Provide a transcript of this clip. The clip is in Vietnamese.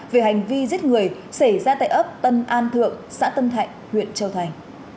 về hành vi giết người xảy ra tại ấp tân an thượng xã tân thạnh huyện châu thành